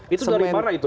itu dari mana itu